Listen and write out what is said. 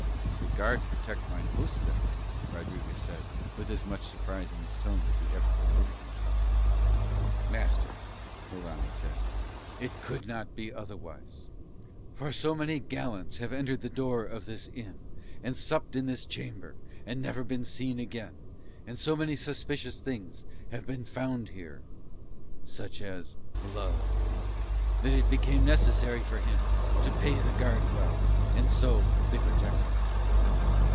"The guard protect mine host then." Rodriguez said with as much surprise in his tones as he ever permitted himself. "Master," Morano said, "it could not be otherwise. For so many gallants have entered the door of this inn and supped in this chamber and never been seen again, and so many suspicious things have been found here, such as blood, that it became necessary for him to pay the guard well, and so they protect him."